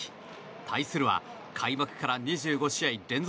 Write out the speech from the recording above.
対するは、開幕から２５試合連続